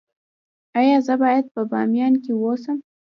ایا زه باید په بامیان کې اوسم؟